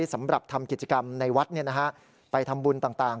สำหรับทำกิจกรรมในวัดไปทำบุญต่าง